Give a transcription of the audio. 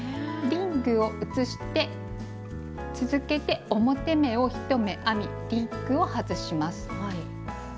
リングを移して続けて表目を１目編みリングを外します。